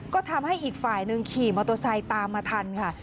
ก็ทำให้อีกฝ่ายหนึ่งขี่มอเตอร์ไซค์ตามมาทันค่ะ